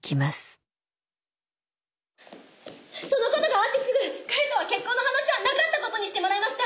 そのことがあってすぐ彼とは結婚の話はなかったことにしてもらいました。